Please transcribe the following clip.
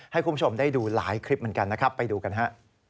ให้คุณผู้ชมได้ดูหลายคลิปเหมือนกันนะครับไปดูกันฮะ